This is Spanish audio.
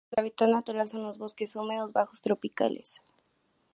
Su hábitat natural son los bosques húmedos bajos tropicales.